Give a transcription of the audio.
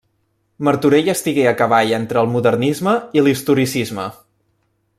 Martorell estigué a cavall entre el modernisme i l'historicisme.